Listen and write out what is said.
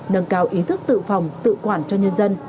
nâng cao ý thức tự phòng tự quản cho nhân dân